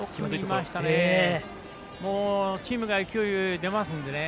チームが勢い出ますので。